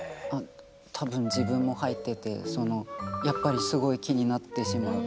多分自分も入っててやっぱりすごい気になってしまう。